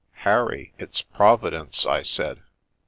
" Harry, it's Providence," I said.